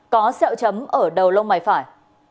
có sẹo chấm ở đầu lông mái phải